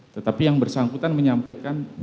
tetapi yang bersangkutan menyampaikan